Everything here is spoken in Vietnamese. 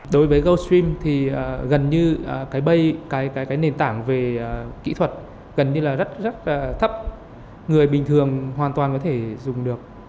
đối với goldstream thì gần như cái bay nền tảng về kỹ thuật gần như là rất rất thấp người bình thường hoàn toàn có thể dùng được